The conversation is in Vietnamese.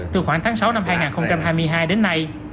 từ khoảng tháng sáu năm hai nghìn hai mươi hai đến nay